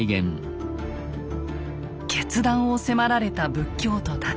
決断を迫られた仏教徒たち。